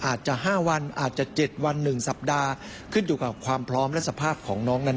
อาจจะ๕วันอาจจะ๗วัน๑สัปดาห์ขึ้นอยู่กับความพร้อมและสภาพของน้องนั้น